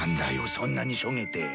そんなにしょげて。